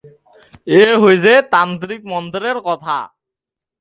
এ হচ্ছে তান্ত্রিক মন্ত্রের কথা।